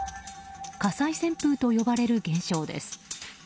火災旋風と呼ばれる現象です。